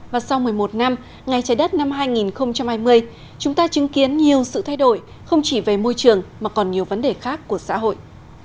và sau một mươi một năm ngày trái đất năm hai nghìn hai mươi chúng ta chứng kiến nhiều sự thay đổi không chỉ về môi trường mà còn nhiều vấn đề khác của xã hội